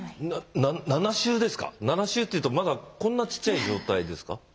７週ですか⁉７週というとまだこんなちっちゃい状態ですか？